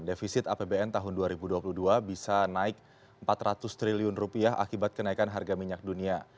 defisit apbn tahun dua ribu dua puluh dua bisa naik empat ratus triliun rupiah akibat kenaikan harga minyak dunia